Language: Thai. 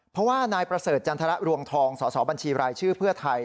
เพราะว่านายประเสริฐจันทรรภ์รวงทองสบชพไทย